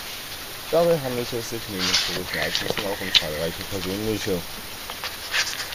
Dabei handelt es sich neben historischen Ereignissen auch um zahlreiche persönliche.